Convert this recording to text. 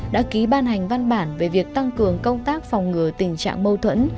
đã ký ban hành văn bản về việc tăng cường công tác phòng ngừa tình trạng mâu thuẫn